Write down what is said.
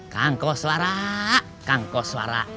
kang koswara kang koswara